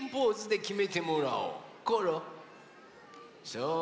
そう。